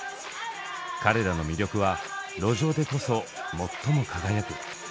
「彼らの魅力は路上でこそ最も輝く」。